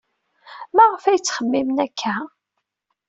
Maɣef ay ttxemmimen akka?